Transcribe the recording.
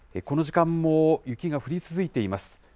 この時間も雪が降り続いています。